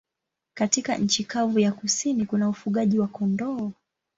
Katika nchi kavu ya kusini kuna ufugaji wa kondoo.